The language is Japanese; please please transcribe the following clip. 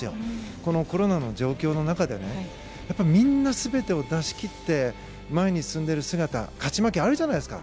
このコロナの状況の中でみんな全てを出し切って前に進んでいる姿勝ち負けはあるじゃないですか。